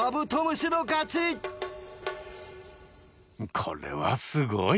これはすごい！